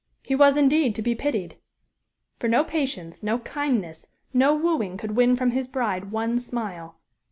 He was, indeed, to be pitied! For no patience, no kindness, no wooing could win from his bride one smile.